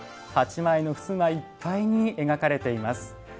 ８枚の襖いっぱいに描かれています。